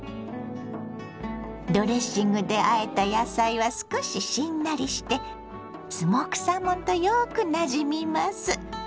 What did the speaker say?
ドレッシングであえた野菜は少ししんなりしてスモークサーモンとよくなじみます。